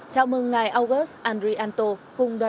chào mừng ngài agus andrianto